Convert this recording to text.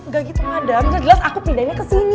gak gitu madame udah jelas aku pindahinnya kesini